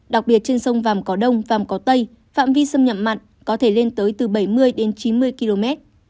đặc biệt trên sông vàm cỏ đông vàm cỏ tây phạm vi xâm nhập mặn có thể lên tới từ bảy mươi đến chín mươi km